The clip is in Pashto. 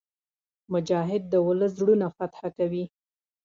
مجاهد د ولس زړونه فتح کوي.